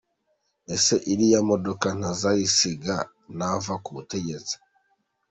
ese iriya modoka ntazayisiga nava ku butegetsi?